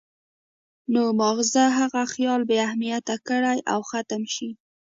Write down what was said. نو مازغۀ هغه خيال بې اهميته کړي او ختم شي